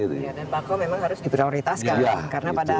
jadi itu harus diprioritaskan karena pada